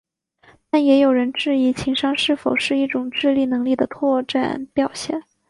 但也有人质疑情商是否是一种智力能力的扩展表现。